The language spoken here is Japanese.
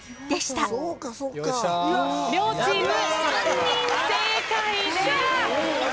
両チーム３人正解です。